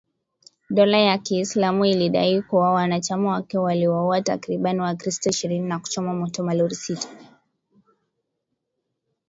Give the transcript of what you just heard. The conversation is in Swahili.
dola ya kiislamu ilidai kuwa wanachama wake waliwauwa takribani wakristo ishirini na kuchoma moto malori sita